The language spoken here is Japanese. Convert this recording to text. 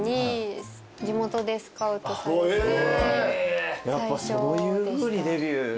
やっぱそういうふうにデビューするんだ。